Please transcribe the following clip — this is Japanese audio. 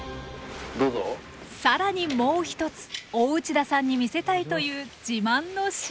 更にもう一つ大内田さんに見せたいという自慢の品が。